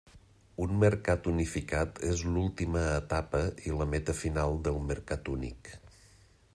Un mercat unificat és l'última etapa i la meta final d'un mercat únic.